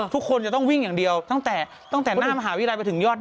ทุกคนจะต้องวิ่งอย่างเดียวตั้งแต่หน้ามหาวิราชไปถึงยอดดอย